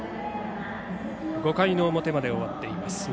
５回の表まで終わっています。